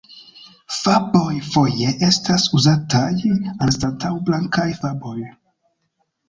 Faboj foje estas uzataj anstataŭ blankaj faboj.